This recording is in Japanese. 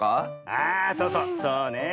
あそうそうそうね。